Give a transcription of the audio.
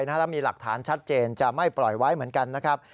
แล้วมีหลักฐานชัดเจนจะไม่ปล่อยไว้เหมือนกันนะครับ